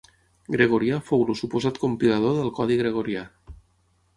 Gregorià fou el suposat compilador del codi Gregorià.